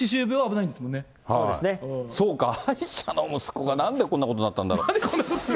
そうか、歯医者の息子がなんでこんなことになったんだろう。